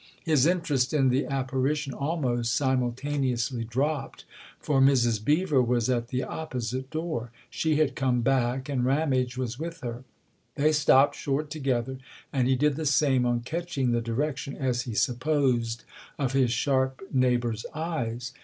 His interest in the apparition almost simultaneously dropped, for Mrs. Beever was at the opposite door. She had come back, and Ramage was with her : they stopped short together, and he did the same on catching the direction, as he supposed, of his sharp neighbour's eyes.